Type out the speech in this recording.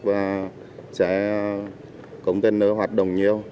và xe công tên nơi hoạt động nhiều